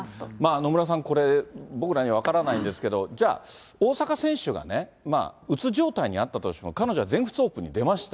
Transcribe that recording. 野村さん、これ、僕らには分からないんですけど、じゃあ大坂選手がね、うつ状態にあったとしても、彼女は全仏オープンに出ました。